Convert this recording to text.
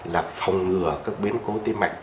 là phòng ngừa các biến cố tim mạch